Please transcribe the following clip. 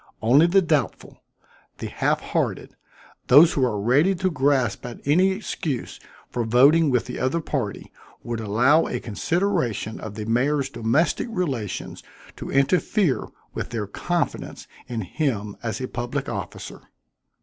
Only the doubtful the half hearted those who are ready to grasp at any excuse for voting with the other party, would allow a consideration of the mayor's domestic relations to interfere with their confidence in him as a public officer."